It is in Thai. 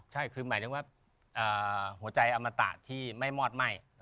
ใช่คือหมายถึงว่าหัวใจอมตะที่ไม่มอดไหม้